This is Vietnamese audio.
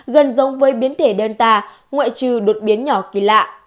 gần giống với ai bốn hai của bắc mỹ